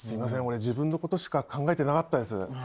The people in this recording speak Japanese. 俺自分のことしか考えてなかったです。